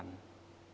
ini pada dasarnya